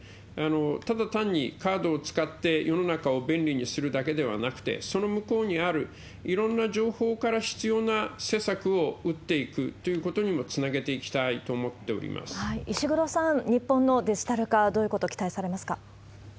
ただ単にカードを使って世の中を便利にするだけではなくて、その向こうにある、いろんな情報から必要な施策を打っていくということにもつなげて石黒さん、日本のデジタル化、どういうことを期待されますか？